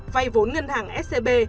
vay vốn ngân hàng scb